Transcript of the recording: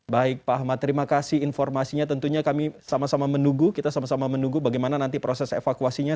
baik pak ahmad terima kasih informasinya tentunya kami sama sama menunggu kita sama sama menunggu bagaimana nanti proses evakuasinya